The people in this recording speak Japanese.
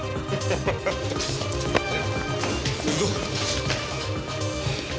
行くぞ。